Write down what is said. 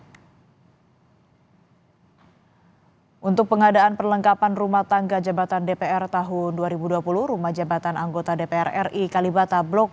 untuk pengadaan perlengkapan rumah tangga jabatan dpr tahun dua ribu dua puluh rumah jabatan anggota dpr ri kalibata blok